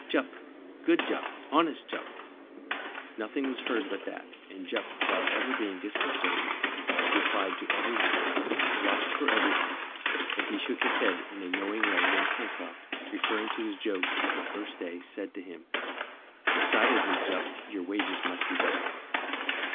"Jup! Good Jup! Honest Jup!" Nothing was heard but that, and Jup without ever being disconcerted, replied to every one, watched for everything, and he shook his head in a knowing way when Pencroft, referring to his joke of the first day, said to him, "Decidedly, Jup, your wages must be doubled."